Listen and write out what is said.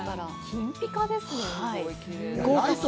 金ピカですね。